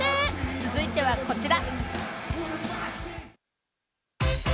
続いてはこちら。